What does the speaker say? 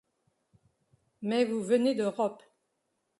Mais vous venez d’Europe.